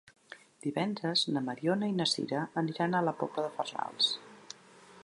Divendres na Mariona i na Sira aniran a la Pobla de Farnals.